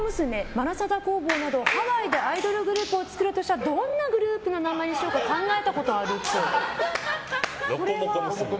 マラサダ工房などハワイでアイドルグループを作るとしたらどんなグループの名前にしようか考えたことあるっぽい。